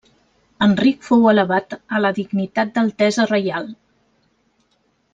Enric fou elevat a la dignitat d'Altesa Reial.